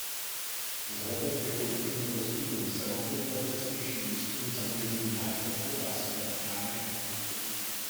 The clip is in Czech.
Vzhledem ke kulturním rozdílům se obvykle přesnější výzkumy zaměřují na Evropu a Severní Ameriku.